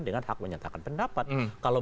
dengan hak menyatakan pendapat kalau